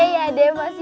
ya deh yaa deh positi